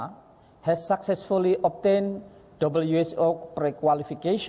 telah berhasil mendapatkan prekualifikasi wso